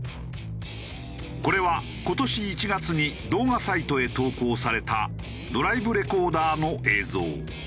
これは今年１月に動画サイトへ投稿されたドライブレコーダーの映像。